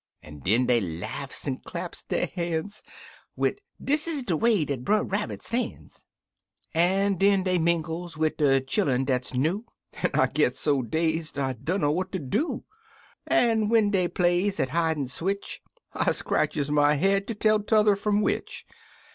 An' den dey laughs an' claps der ban's, Wid "Dis is de way dat Brer B'ar Stan's! " An' den dey mingles wid de chillun dat's new. An' I gits so dazed 1 dunner what ter do; An' when dey plays at hidin' switch 1 scratches my head ter tell t'other fum which.